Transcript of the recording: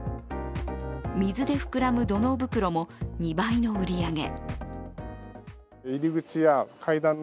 水で膨らむ土のう袋も２倍の売り上げ。